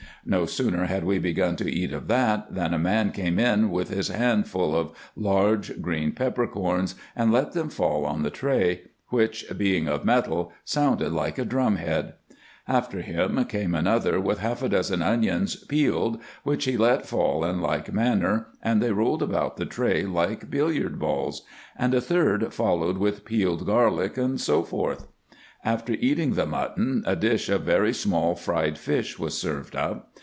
No sooner had we begun to eat of that, than a man came in with his hand full of large green peppercorns, and let them fall on the tray, which, being of metal, sounded like a drum head. After him came another, with half a dozen onions peeled, which he let fall in like manner, and they rolled about the tray like billiard balls ; and a third followed with peeled garlic, &c. After eating the mutton, a dish of very small fried fish was served up.